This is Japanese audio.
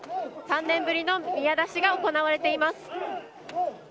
３年ぶりの宮出しが行われています。